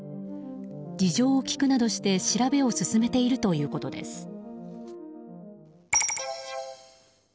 事情を聴くなどして調べを進めているということです。